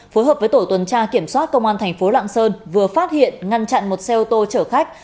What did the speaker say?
phối hợp với tổ tuần tra kiểm soát công an thành phố lạng sơn vừa phát hiện ngăn chặn một xe ô tô chở khách